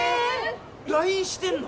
ＬＩＮＥしてんの！？